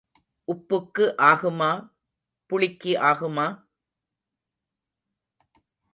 உப்புக்கு ஆகுமா, புளிக்கு ஆகுமா?